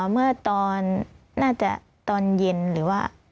เมื่อตอนน่าจะตอนเย็นหรือว่า